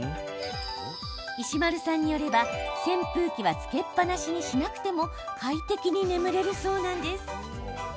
石丸さんによれば、扇風機はつけっぱなしにしなくても快適に眠れるそうなんです。